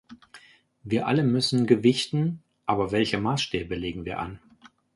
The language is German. Wir alle müssen gewichten, aber welche Maßstäbe legen wir an?